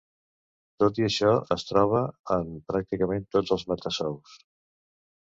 Tot i això, es troba en pràcticament tots els metazous.